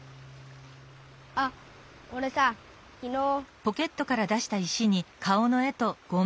あおれさきのう。